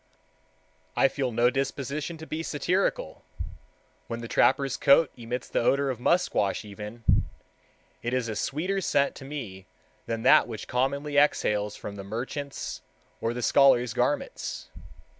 I feel no disposition to be satirical, when the trapper's coat emits the odor of musquash even; it is a sweeter scent to me than that which commonly exhales from the merchant's or the scholar's garments.